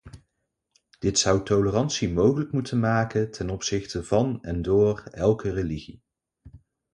Dit zou tolerantie mogelijk moeten maken ten opzichte van en door elke religie.